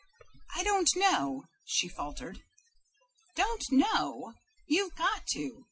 "I don't know," she faltered. "Don't know! You've got to!